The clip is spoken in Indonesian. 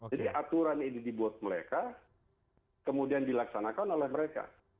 jadi aturan ini dibuat mereka kemudian dilaksanakan oleh mereka